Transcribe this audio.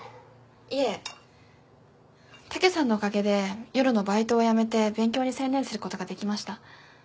いえ武さんのおかげで夜のバイトを辞めて勉強に専念することができました。